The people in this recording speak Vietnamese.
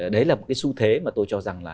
đấy là một cái xu thế mà tôi cho rằng là